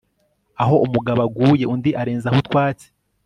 aho umugabo aguye undi arenzaho utwatsi